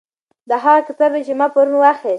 دا هغه کتاب دی چې ما پرون واخیست.